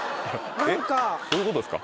どういうことですか？